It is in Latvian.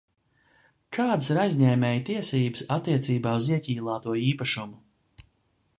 Kādas ir aizņēmēja tiesības attiecībā uz ieķīlāto īpašumu?